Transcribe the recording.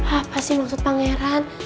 apa sih maksud pangeran